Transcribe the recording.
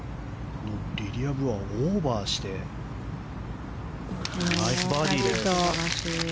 リリア・ブはオーバーしてナイスバーディーです。